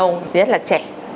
thứ nhất là trẻ